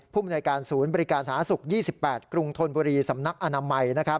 ผู้บริการสูญสถานสุข๒๘กรุงธนบุรีสำนักอนามัย